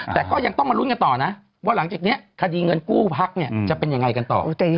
แต่ก็ยังต้องมาลุ้นกันต่อนะว่าหลังจากนี้คดีเงินกู้พักเนี่ยจะเป็นยังไงกันต่อ